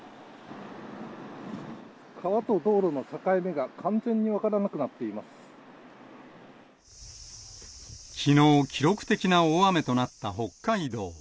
川と道路の境目が完全に分かきのう、記録的な大雨となった北海道。